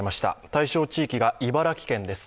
対象地域が茨城県です。